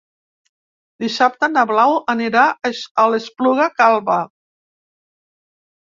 Dissabte na Blau anirà a l'Espluga Calba.